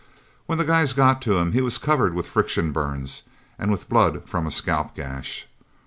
When the guys got to him, he was covered with friction burns, and with blood from a scalp gash.